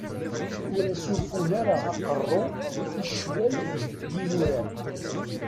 Ur as-ufun ara aqerru i ccwal deg yinurar.